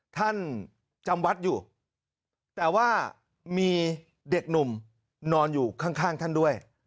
ท่านจำวัดอยู่แต่ว่ามีเด็กหนุ่มนอนอยู่ข้างท่านด้วย